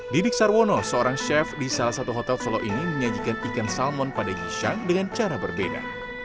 didik sarwono seorang chef di salah satu hotel solo ini menyajikan ikan salmon pada gisang dengan cara berbeda